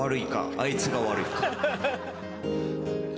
あいつが悪いか。